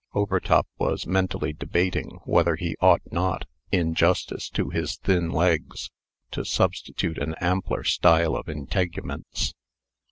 Overtop was mentally debating whether he ought not, in justice to his thin legs, to substitute an ampler style of integuments.